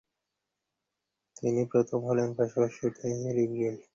তিনি প্রথম হলেন এবং পাশাপাশি অর্থনীতিতে ডিগ্রি অর্জন করেন।